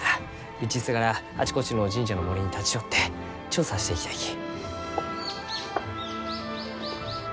道すがらあちこちの神社の森に立ち寄って調査していきたいき。